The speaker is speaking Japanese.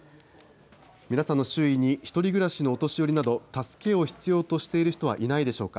皆さんの周囲に１人暮らしのお年寄りなど助けを必要としている人はいないでしょうか。